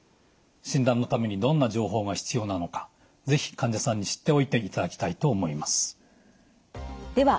診断のためにどんな情報が必要なのか是非患者さんに知っておいていただきたいと思います。